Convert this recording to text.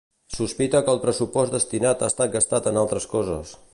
Sospita que el pressupost destinat ha estat gastat en altres coses.